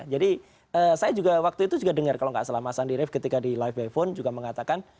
jadi saya juga waktu itu juga dengar kalau enggak selama mas andi arief ketika di live by phone juga mengatakan